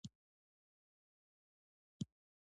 له څو بې فکرو کسانو سره یې لاس یو کړ.